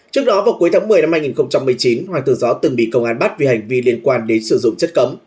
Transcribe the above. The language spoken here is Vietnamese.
trước đó vào cuối tháng một mươi năm hai nghìn một mươi chín hoàng tử gió từng bị công an bắt vì hành vi liên quan đến sử dụng chất cấm